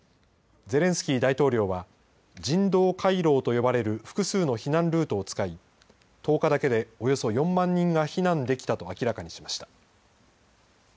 ゼレンスキー大統領は、人道回廊と呼ばれる複数の避難ルートを使い、１０日だけでおよそ４万人が避難できたと明らかにしました。